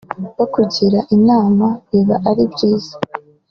bakugira inama biba ari byiza